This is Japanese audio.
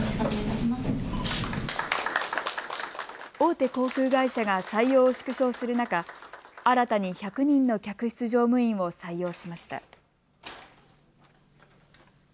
大手航空会社が採用を縮小する中、新たに１００人の客室乗務員を採用しました。